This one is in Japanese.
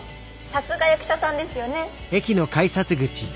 さすが役者さんですよね。